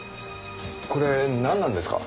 これなんなんですか？